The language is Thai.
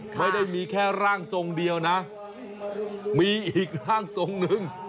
ไม่ได้มีแค่ร่างทรงเดียวนะมีอีกร่างทรงหนึ่ง